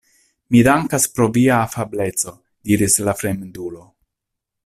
Mi dankas pro via afableco, diris la fremdulo.